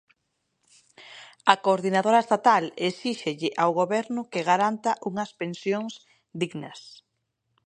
A coordinadora estatal esíxelle ao Goberno que garanta unhas pensións dignas.